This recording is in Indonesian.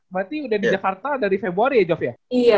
berarti udah di jakarta dari februari ya jov ya